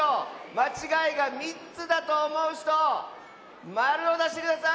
まちがいが３つだとおもうひと○をだしてください。